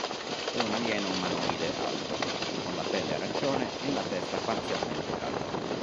È un alieno umanoide alto, con la pelle arancione e una testa parzialmente calva.